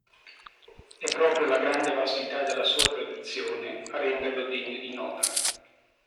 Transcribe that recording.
È proprio la grande vastità della sua produzione a renderlo degno di nota.